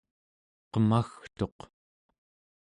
qemagtuq